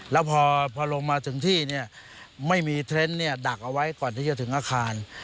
แล้วพอลงมาถึงที่เนี่ยไม่มีเทรนด์เนี่ยดักเอาไว้ก่อนที่จะถึงอาคาร